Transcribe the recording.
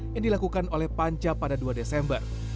yang dilakukan oleh panca pada dua desember